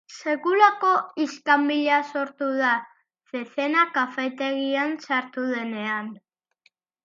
Sekulako iskanbila sortu da zezena kafetegian sartu denean.